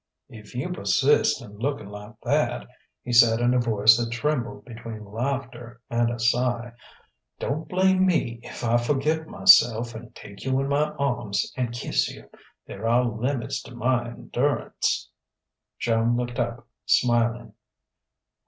"If you persist in looking like that," he said in a voice that trembled between laughter and a sigh "don't blame me if I forget myself and take you in my arms and kiss you. There are limits to my endurance...." Joan looked up, smiling.